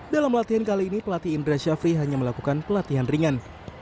dalam latihan kali ini pelatih indra syafri hanya melakukan pelatihan ringan